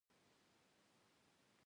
نو احساس یې درک کوو.